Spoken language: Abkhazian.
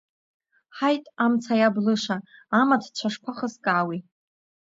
Ҳаит, амца иаблыша, амаҭ-цәа шԥахыскаауеи!